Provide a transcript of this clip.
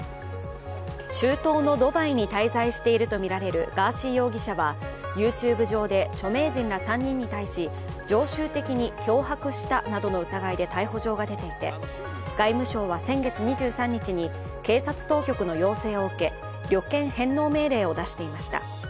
中東のドバイに滞在しているとみられるガーシー容疑者はＹｏｕＴｕｂｅ上で著名人ら３人に対し常習的に脅迫したなどの疑いで逮捕状が出ていて、外務省は先月２３日に警察当局の要請を受け旅券返納命令を出していました。